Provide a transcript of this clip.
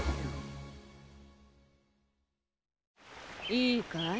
いいかい？